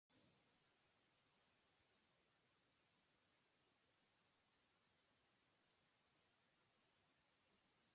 Continuous design was popularized by extreme programming.